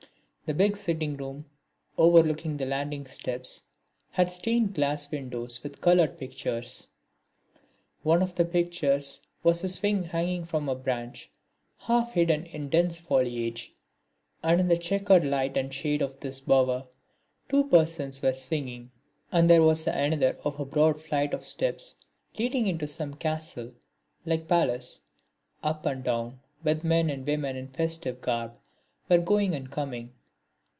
The big sitting room overlooking the landing steps had stained glass windows with coloured pictures. One of the pictures was of a swing hanging from a branch half hidden in dense foliage, and in the checkered light and shade of this bower, two persons were swinging; and there was another of a broad flight of steps leading into some castle like palace, up and down which men and women in festive garb were going and coming.